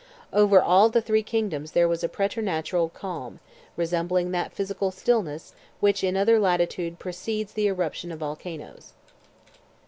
Over all the three kingdoms there was a preternatural calm, resembling that physical stillness which in other latitude precedes the eruption of volcanoes.